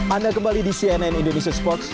anda kembali di cnn indonesia sports